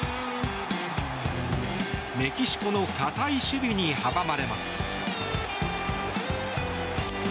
メキシコの堅い守備に阻まれます。